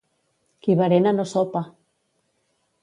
Qui berena no sopa.